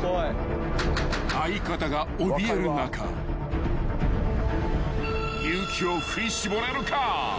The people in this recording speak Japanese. ［相方がおびえる中勇気を振り絞れるか］